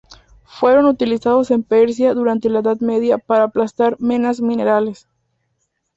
Fueron utilizados en Persia durante la edad media para aplastar menas minerales.